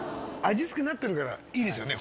味付けになってるからいいですよね